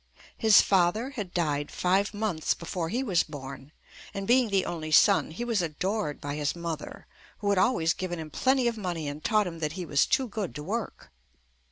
His father had died five months before he was born, and being the only son, he was adored by his mother, who had always given him plenty of money and taught him that he was too good to work.